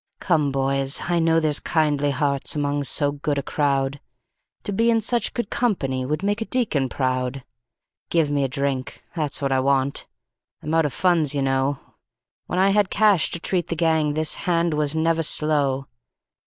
"Come, boys, I know there's kindly hearts among so good a crowd To be in such good company would make a deacon proud. "Give me a drink that's what I want I'm out of funds, you know, When I had cash to treat the gang this hand was never slow.